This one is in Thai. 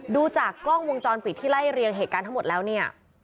ดูจากกล้องวงจรปิดที่ไล่เรียงเหตุการณ์ทั้งหมดแล้วเนี่ย